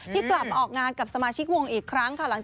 ที่กลับมาออกงานกับสมาชิกวงอีกครั้งค่ะ